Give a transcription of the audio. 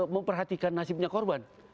memperhatikan nasibnya korban